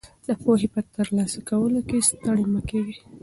د پوهې په ترلاسه کولو کې ستړي مه ږئ.